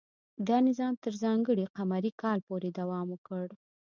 دا نظام تر ځانګړي قمري کال پورې دوام وکړ.